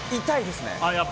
痛いですね。